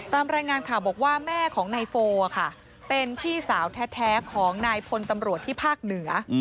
ตามรายงานข่าวบอกว่าแม่ของนายโฟค่ะเป็นพี่สาวแท้ของนายพลตำรวจที่ภาคเหนือ